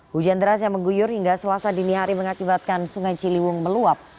hujan deras yang mengguyur hingga selasa dini hari mengakibatkan sungai ciliwung meluap